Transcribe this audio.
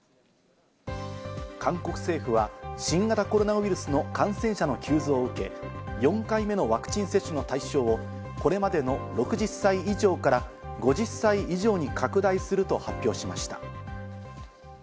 韓国政府は、新型コロナウイルスの感染者が急増を受け、４回目のワクチン接種の対象をこれまでの６０歳以上から５０歳以上に拡大すると発表しました。